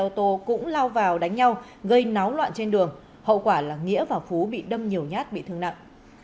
nhóm đi trên xe ô tô cũng lao vào đánh nhau gây náo loạn trên đường hậu quả là nghĩa và phú bị đâm nhiều nhát bị thương nặng